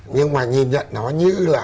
nhưng mà nhìn nhận nó như là